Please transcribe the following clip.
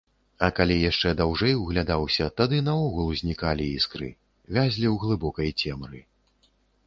А калі яшчэ даўжэй углядаўся, тады наогул знікалі іскры, вязлі ў глыбокай цемры.